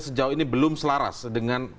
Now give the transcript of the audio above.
sejauh ini belum selaras dengan